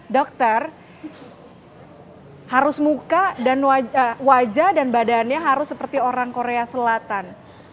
dokter harus muka dan wajah dan badannya harus seperti orang korea selatan